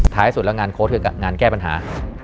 ท้ายสุดแล้วงานโค้ชเกี่ยวกับงานแก้ปัญหา